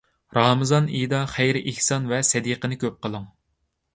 رامىزان ئېيىدا خەير-ئېھسان ۋە سەدىقىنى كۆپ قىلىڭ.